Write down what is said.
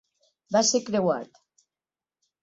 Va ser creuat.